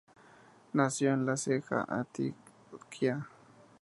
Nacio en La Ceja, Antioquia.